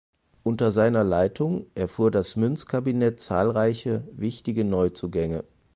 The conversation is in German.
Unter seiner Leitung erfuhr das Münzkabinett zahlreiche wichtige Neuzugänge.